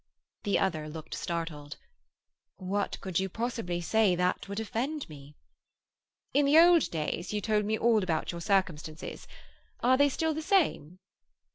The other looked startled. "What could you possibly say that would offend me?" "In the old days you told me all about your circumstances. Are they still the same?"